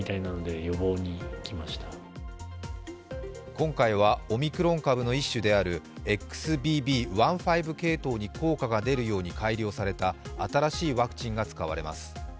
今回はオミクロン株の一種であるＸＢＢ．１．５系統に効果が出るように改良された新しいワクチンが使われます。